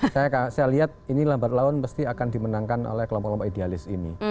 saya lihat ini lambat laun pasti akan dimenangkan oleh kelompok kelompok idealis ini